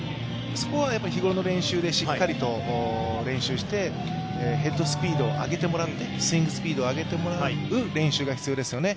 そこは日頃からしっかりと練習して、ヘッドスピード、スイングスピードを上げてもらう練習が必要ですよね。